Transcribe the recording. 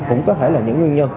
cũng có thể là những nguyên nhân